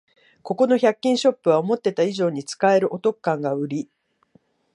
ここの百均ショップは思ってた以上に使えるお得感がウリ